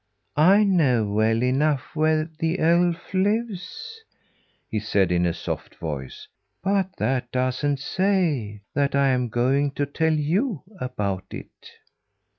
"I know well enough where the elf lives," he said in a soft voice, "but that doesn't say that I'm going to tell you about it."